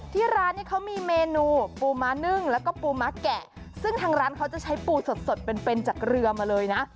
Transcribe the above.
ที่ร้านนี้เขามีเมนูปูม้านึ่งแล้วก็ปูม้าแกะซึ่งทางร้านเขาจะใช้ปูสดสดเป็นเป็นจากเรือมาเลยนะ